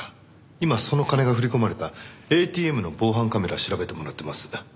今その金が振り込まれたＡＴＭの防犯カメラ調べてもらってます。